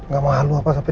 gak malu apa sampai